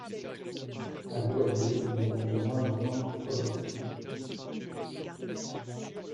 À l’OLB, nous avons besoin d’argent pour progresser.